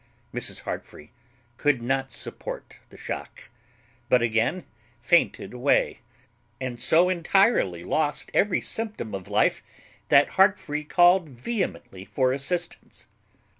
Mrs. Heartfree could not support the shock, but again fainted away, and so entirely lost every symptom of life that Heartfree called vehemently for assistance.